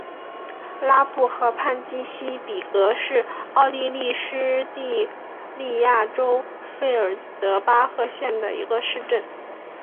拉布河畔基希贝格是奥地利施蒂利亚州费尔德巴赫县的一个市镇。